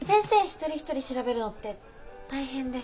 一人一人調べるのって大変で。